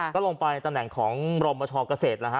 ก็ลงไปตำแหน่งของรมประชากาศเกษตรนะฮะ